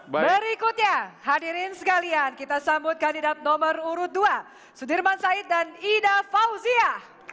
berikutnya hadirin sekalian kita sambut kandidat nomor urut dua sudirman said dan ida fauzia